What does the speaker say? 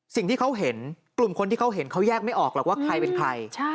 สิ่งที่เขาเห็นกลุ่มคนที่เขาเห็นเขาแยกไม่ออกหรอกว่าใครเป็นใคร